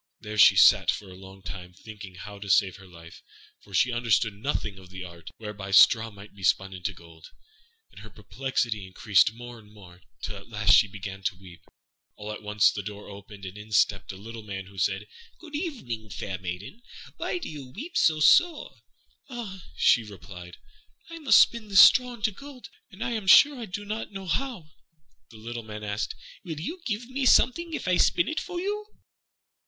There she sat for a long time, thinking how to save her life; for she understood nothing of the art whereby straw might be spun into gold; and her perplexity increased more and more, till at last she began to weep. All at once the door opened, and in stepped a little Man, who said, "Good evening, fair maiden; why do you weep so sore?" "Ah," she replied, "I must spin this straw into gold, and I am sure I do not know how." The little Man asked, "What will you give me if I spin it for you?"